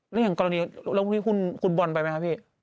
แล้วอย่างกรณีแล้วคุณบอลไปไหมครับพี่